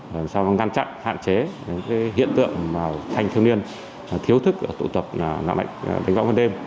làm sao ngăn chặn hạn chế những hiện tượng thanh thiếu niên thiếu thức tụ tập lạng lạnh đánh võng ban đêm